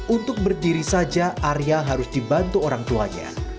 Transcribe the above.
untuk berdiri saja arya harus dibantu orang tuanya